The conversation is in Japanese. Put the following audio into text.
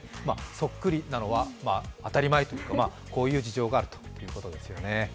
そっくりなのは当たり前、こういう事情があるということです。